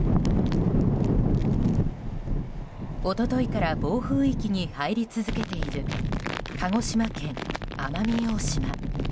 一昨日から暴風域に入り続けている鹿児島県奄美大島。